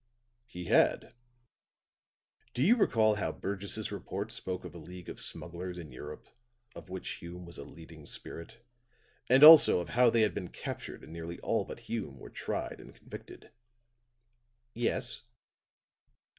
"He had. Do you recall how Burgess' report spoke of a league of smugglers in Europe of which Hume was a leading spirit, and also of how they had been captured and nearly all but Hume were tried and convicted?" "Yes."